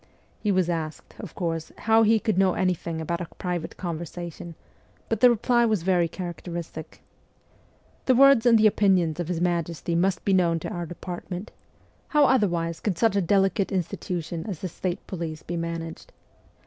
He was asked, of course, how he could know anything about a private conversation, but the reply was very characteristic :' The words and the opinions of his Majesty must be known to our depart ment. How otherwise could such a delicate institution as the state police be managed